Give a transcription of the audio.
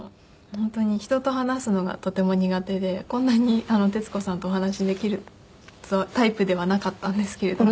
本当に人と話すのがとても苦手でこんなに徹子さんとお話しできるタイプではなかったんですけれども。